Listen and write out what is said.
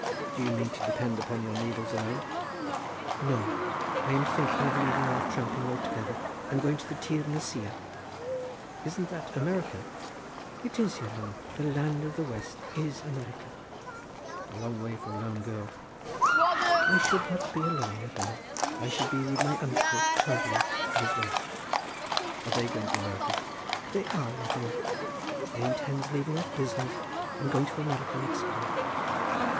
Do you mean to depend upon your needles alone?" "No; I am thinking of leaving off tramping altogether and going to the Tir na Siar." "Isn't that America?" "It is, yere hanner; the land of the west is America." "A long way for a lone girl." "I should not be alone, yere hanner; I should be wid my uncle Tourlough and his wife." "Are they going to America?" "They are, yere hanner; they intends leaving off business and going to America next spring."